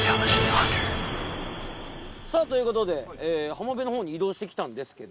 さあということではまべのほうにいどうしてきたんですけど。